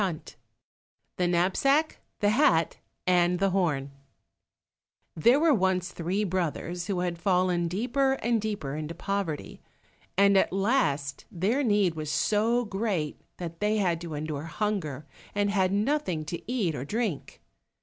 54 The Knapsack, the Hat, and the Horn There were once three brothers who had fallen deeper and deeper into poverty, and at last their need was so great that they had to endure hunger, and had nothing to eat or drink.